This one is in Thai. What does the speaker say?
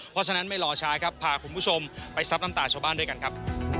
เพราะฉะนั้นไม่รอช้าครับพาคุณผู้ชมไปซับน้ำตาชาวบ้านด้วยกันครับ